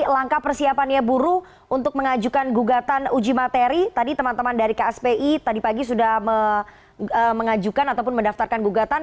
langkah persiapannya buruh untuk mengajukan gugatan uji materi tadi teman teman dari kspi tadi pagi sudah mengajukan ataupun mendaftarkan gugatan